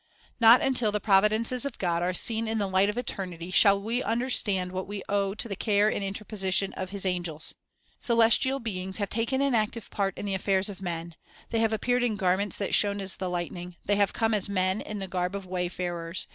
Not until the providences of God are seen in the light of eternity shall we understand what we owe to the care and interposition of His angels. Celestial beings have taken an active part in the affairs of men. They have appeared in garments that shone as the lightning; they have come as men, in the garb of wayfarers.